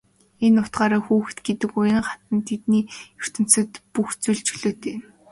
Энэ утгаараа хүүхэд гэдэг уян хатан тэдний ертөнцөд бүх зүйл чөлөөтэй.